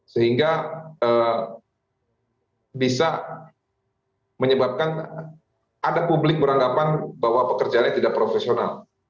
sehingga bisa menyebabkan ada publik beranggapan bahwa pekerjaannya tidak profesional